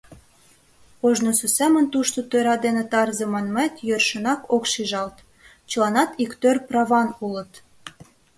Ожнысо семын тушто тӧра ден тарзе манмет йӧршынак ок шижалт — чыланат иктӧр праван улыт.